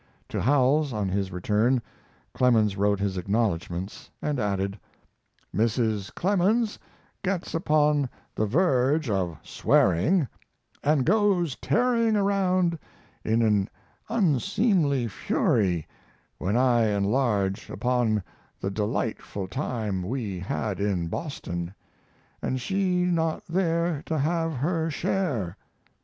To Howells, on his return, Clemens wrote his acknowledgments, and added: Mrs. Clemens gets upon the verge of swearing, and goes tearing around in an unseemly fury when I enlarge upon the delightful time we had in Boston, and she not there to have her share.